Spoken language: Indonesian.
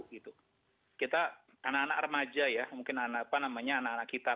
kita anak anak remaja ya mungkin anak anak kita